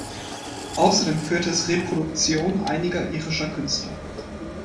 Außerdem führte es Reproduktion einiger irischer Künstler.